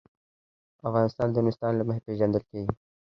افغانستان د نورستان له مخې پېژندل کېږي.